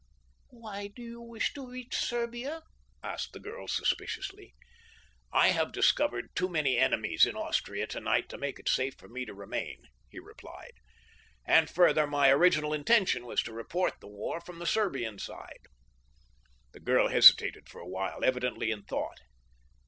"Why do you wish to reach Serbia?" asked the girl suspiciously. "I have discovered too many enemies in Austria tonight to make it safe for me to remain," he replied, "and, further, my original intention was to report the war from the Serbian side." The girl hesitated for a while, evidently in thought.